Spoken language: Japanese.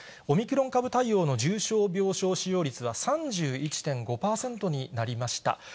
オミクロン株対応の重症病床使用率は、３１．５％になりました。